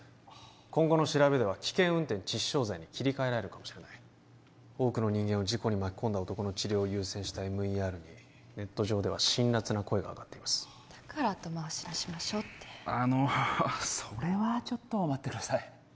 今後の調べでは危険運転致死傷罪に切り替えられるかもしれない多くの人間を事故に巻き込んだ男の治療を優先したＭＥＲにネット上では辛らつな声が上がっていますだから後回しにしましょうってあのそれはちょっと待ってください